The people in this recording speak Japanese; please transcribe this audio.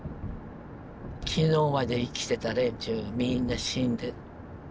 昨日まで生きてた連中がみんな死んで。